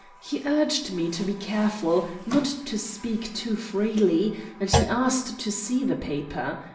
He urged me to be careful, not to speak too freely; and he asked to see the paper.